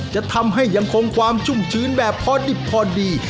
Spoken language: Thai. จะทำให้ยังคงความชุ่มชื้นแบบพอดิบพอดี